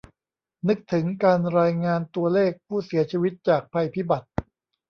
นึกถึงการรายงานตัวเลขผู้เสียชีวิตจากภัยพิบัติ